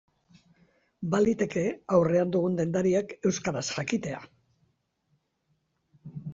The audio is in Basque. Baliteke aurrean dugun dendariak euskaraz jakitea.